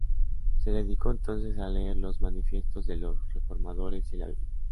Se dedicó entonces a leer los manifiestos de los reformadores y la Biblia.